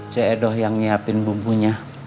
si edo yang nyiapin bumbunya